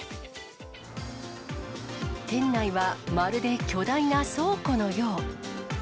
店内はまるで巨大な倉庫のよう。